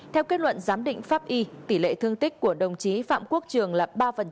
theo kết luận giám định pháp y tỷ lệ thương tích của đồng chí phạm quốc trường là ba